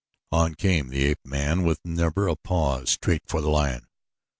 On came the ape man with never a pause, straight for the lion.